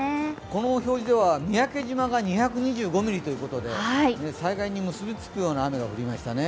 この表示では三宅島が２２５ミリということで災害に結びつくような雨が降りましたね。